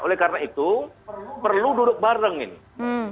oleh karena itu perlu duduk bareng ini